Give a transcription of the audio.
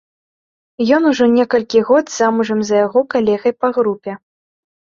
Ён ужо некалькі год замужам за яго калегай па групе.